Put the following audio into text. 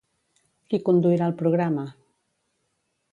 Qui conduirà el programa?